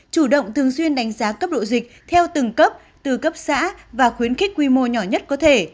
chủ động thường xuyên đánh giá cấp độ dịch theo từng cấp từ cấp xã và khuyến khích quy mô nhỏ nhất có thể